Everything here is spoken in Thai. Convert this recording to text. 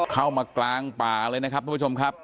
เข้ามากลางป่าเลยนะครับทุกผู้ชมครับ